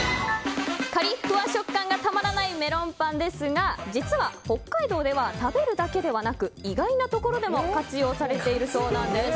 カリふわ食感がたまらないメロンパンですが実は、北海道では食べるだけではなく意外なところでも活用されているそうなんです。